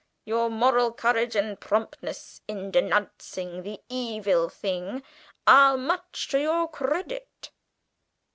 Your moral courage and promptness in denouncing the evil thing are much to your credit."